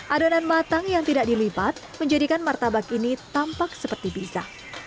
adonan matang yang tidak dilipat menjadikan martabak ini tampak seperti bisa